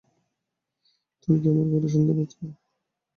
তুমি কি আমাকে শুনতে পাচ্ছো?